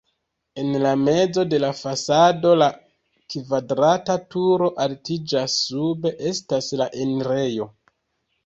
En mezo de la fasado la kvadrata turo altiĝas, sube estas la enirejo.